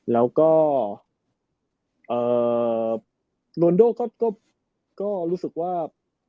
แล้วก็เอ่อโรนโดลก็ก็ก็รู้สึกว่า